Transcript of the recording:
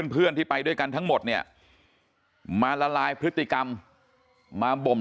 เพื่อนที่ไปด้วยกันทั้งหมดเนี่ยมาละลายพฤติกรรมมาบ่ม